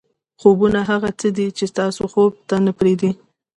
خوبونه هغه څه دي چې تاسو خوب ته نه پرېږدي.